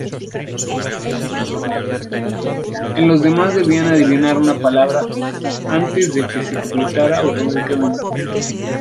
En los demás debían adivinar una palabra antes de que se completara automáticamente.